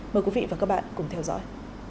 mời quý vị và các bạn cùng theo dõi